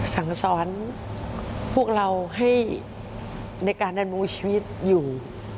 สั่งสอนพวกเราให้ในการดำรงชีวิตอยู่